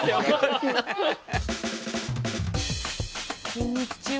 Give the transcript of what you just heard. こんにちは。